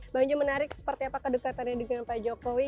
bang jho menarik seperti apa kedekatan yang digunakan pak jokowi